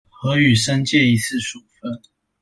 核予申誡一次處分